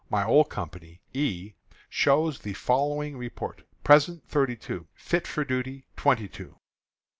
My old company, E, shows the following report: Present, thirty two; fit for duty, twenty two.